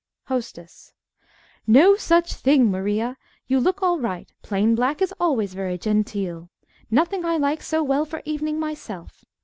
_ HOSTESS No such thing, Maria. You look all right. Plain black is always very genteel. Nothing I like so well for evening, myself.